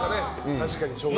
確かに。